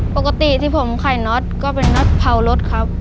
ปกติที่ผมขายน็อตก็เป็นน็อตเผารถครับ